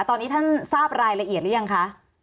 ตอนนี้ท่านทราบรายละเอียดหรือยังคะ